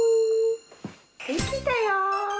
できたよ。